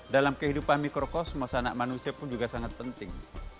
dalam kehidupan mikrokosmos anak manusia pun juga sangat penting